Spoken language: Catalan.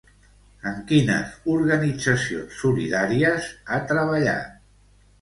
Amb quines organitzacions solidàries ha treballat?